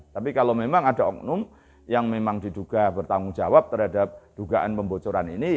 tapi kalau memang ada oknum yang memang diduga bertanggung jawab terhadap dugaan pembocoran ini